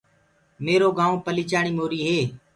ميرو گآئونٚ پليچاڻي موري هي۔